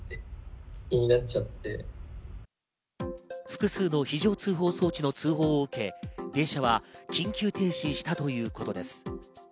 複数の非常通報装置の通報を受け、電車は緊急停止したということです。